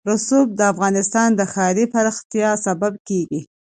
رسوب د افغانستان د ښاري پراختیا سبب کېږي.